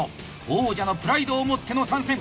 王者のプライドを持っての参戦。